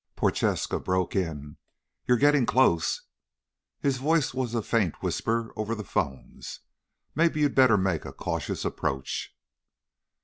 Prochaska broke in, "You're getting close." His voice was a faint whisper over the phones. "Maybe you'd better make a cautious approach."